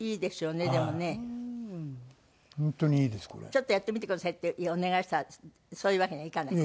ちょっとやってみてくださいってお願いしたらそういうわけにはいかない？